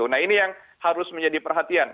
nah ini yang harus menjadi perhatian